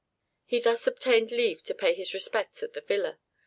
He thus obtained leave to pay his respects at the villa.